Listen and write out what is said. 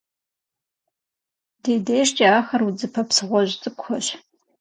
Ди дежкӏэ ахэр удзыпэ псыгъуэжь цӏыкӏухэщ.